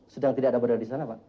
sedang tidak ada berada di sana pak